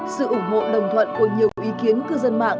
sự ủng hộ đồng thuận của nhiều ý kiến cư dân mạng